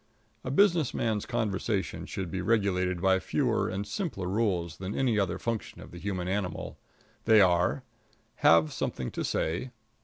A business man's conversation should be regulated by fewer and simpler rules than any other function of the human animal. They are: Have something to say.